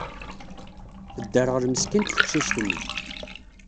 Tedderɣel meskint teqcict-nni.